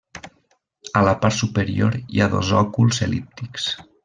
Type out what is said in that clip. A la part superior hi ha dos òculs el·líptics.